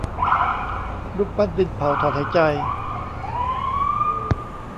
รูปปั้นดินเผาถอนหายใจ